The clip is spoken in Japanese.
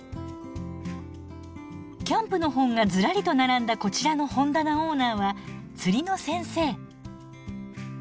キャンプの本がずらりと並んだこちらの本棚オーナーは釣りの先生。